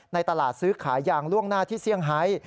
ตลาดซื้อขายยางล่วงหน้าที่เซี่ยงไฮ